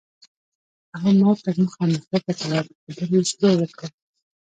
هغه ماته مخامخ وکتل او په خبرو یې شروع وکړه.